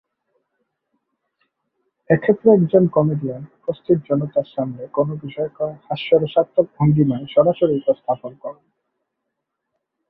এক্ষেত্রে একজন কমেডিয়ান উপস্থিত জনতার সামনে কোন বিষয়কে হাস্যরসাত্মক ভঙ্গিমায় সরাসরি উপস্থাপন করেন।